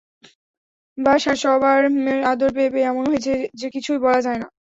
বাসার সবার আদর পেয়ে পেয়ে এমন হয়েছে যে, কিছুই বলা যায় না।